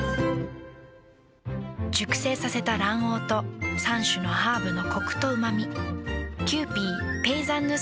熟成させた卵黄と３種のハーブのコクとうま味。